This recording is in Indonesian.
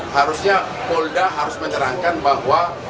harusnya polda harus menyerangkan bahwa